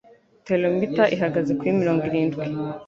Therometero ihagaze kuri mirongo irindwi